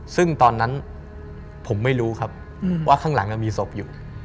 ซึ่งตอนนั้นผมไม่รู้ครับว่าข้างหลังมีศพอยู่